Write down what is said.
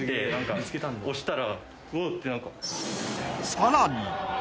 ［さらに］